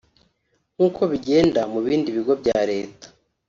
nk’uko bigenda mu bindi bigo bya leta